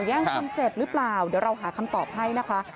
แย่งคนเจ็บหรือเปล่าเดี๋ยวเราหาคำตอบให้นะคะ